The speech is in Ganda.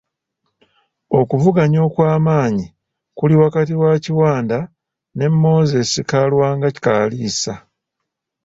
Okuvuganya okwamanyi kuli wakati wa Kiwanda ne Moses Kalwanga Kaliisa.